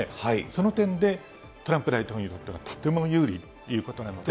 その点で、トランプ大統領にとっては、とても有利ということなので。